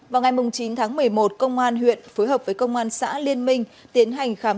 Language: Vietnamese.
vào ngày chín tháng một mươi một công an huyện phối hợp với công an xã liên minh tiến hành khám